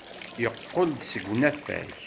Yeqqel-d seg unafag.